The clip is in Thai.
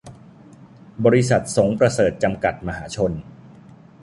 บริษัท สงประเสริฐ จำกัด มหาชน